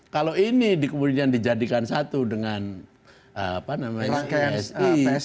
kalau ini kemudian dijadikan satu dengan psi